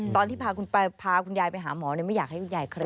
ตอนที่พาคุณยายไปหาหมอไม่อยากให้คุณยายเคล็